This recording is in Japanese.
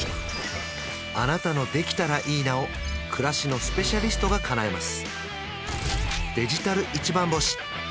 あなたの「できたらいいな」を暮らしのスペシャリストがかなえます